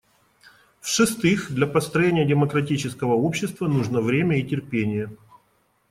В-шестых, для построения демократического общества нужно время и терпение.